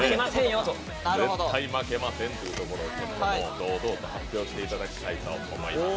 絶対負けませんというところを堂々と発表していただきたいと思います。